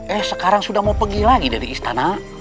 eh sekarang sudah mau pergi lagi dari istana